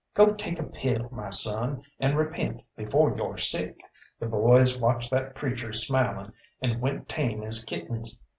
Go take a pill, my son, and repent before yo're sick." The boys watched that preacher smiling, and went tame as kittens.